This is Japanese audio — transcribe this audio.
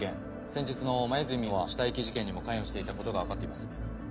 先日の黛美羽死体遺棄事件にも関与していたことが分かっています。